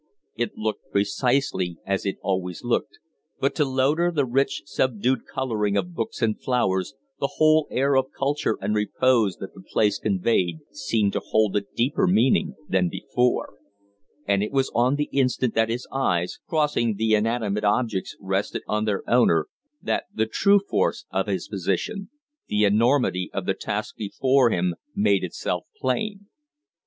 It looked precisely as it always looked, but to Loder the rich, subdued coloring of books and flowers the whole air of culture and repose that the place conveyed seemed to hold a deeper meaning than before; and it was on the instant that his eyes, crossing the inanimate objects, rested on their owner that the true force of his position, the enormity of the task before him, made itself plain.